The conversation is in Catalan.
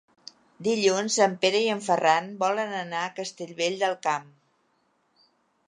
Dilluns en Pere i en Ferran volen anar a Castellvell del Camp.